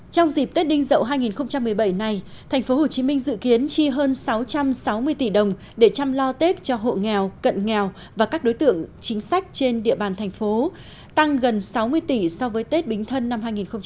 trong dịp tết đinh dậu hai nghìn một mươi bảy này tp hcm dự kiến chi hơn sáu trăm sáu mươi tỷ đồng để chăm lo tết cho hộ nghèo cận nghèo và các đối tượng chính sách trên địa bàn thành phố tăng gần sáu mươi tỷ so với tết bính thân năm hai nghìn một mươi tám